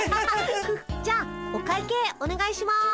じゃあお会計おねがいします。